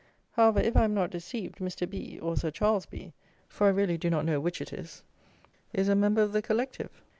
However, if I am not deceived, Mr. B or Sir Charles B (for I really do not know which it is) is a member of the Collective!